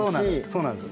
そうなんです。